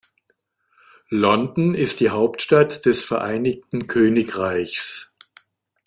London ist die Hauptstadt des Vereinigten Königreichs.